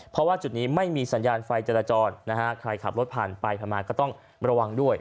เพราะว่าจุดนี้ไม่มีสัญญาณไฟจรจรนะฮะใครขับรถผ่านไปผ่านมาก็ต้องระวังด้วย